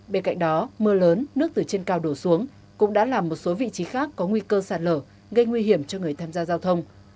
bên cạnh đó mưa lớn nước từ trên cao đổ xuống cũng đã làm một số vị trí khác có nguy cơ sạt lở gây nguy hiểm cho người tham gia giao thông